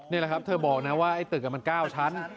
นี่แหละครับเธอบอกนะว่าไอ้ตึกมัน๙ชั้น